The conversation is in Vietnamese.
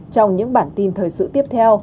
trong những bản tin thời sự tiếp theo